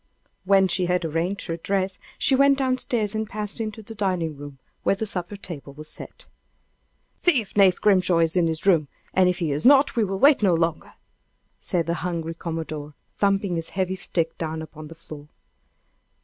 When she had arranged her dress, she went down stairs and passed into the dining room, where the supper table was set. "See if Nace Grimshaw is in his room, and if he is not, we will wait no longer!" said the hungry commodore, thumping his heavy stick down upon the floor.